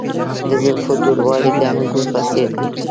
د زلفو توروالی د انګورو په څیر دی.